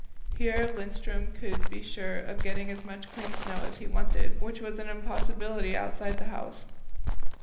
Here Lindström could be sure of getting as much clean snow as he wanted, which was an impossibility outside the house.